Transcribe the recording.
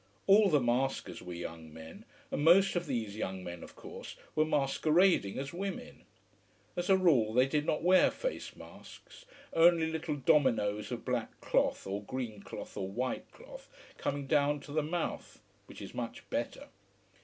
All the maskers were young men, and most of these young men, of course, were masquerading as women. As a rule they did not wear face masks, only little dominoes of black cloth or green cloth or white cloth coming down to the mouth. Which is much better.